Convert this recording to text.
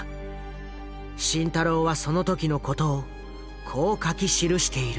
慎太郎はその時のことをこう書き記している。